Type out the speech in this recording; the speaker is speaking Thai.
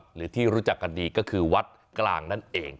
หรือที่รู้จักกันดีก็คือวัดกลางนั่นเอง